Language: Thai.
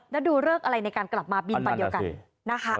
แล้วดูเริกอะไรในการกลับมาบินไปเยอะกัน